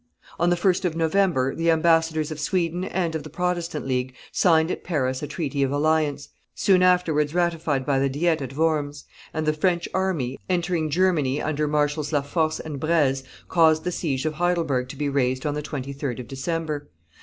On the 1st of November, the ambassadors of Sweden and of the Protestant League signed at Paris a treaty of alliance, soon afterwards ratified by the diet at Worms, and the French army, entering Germany, under Marshals La Force and Breze, caused the siege of Heidelberg to be raised on the 23d of December.